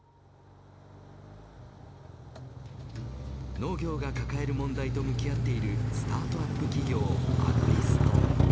農業が抱える問題と向き合っているスタートアップ企業ＡＧＲＩＳＴ